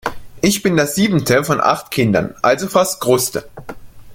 Ich bin das siebente von acht Kindern, also fast Kruste.